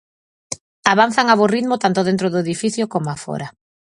Avanzan a bo ritmo tanto dentro do edificio coma fóra.